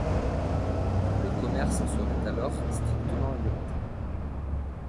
Le commerce en serait alors strictement réglementé.